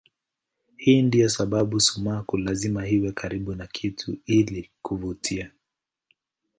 Hii ndiyo sababu sumaku lazima iwe karibu na kitu ili kuvutia.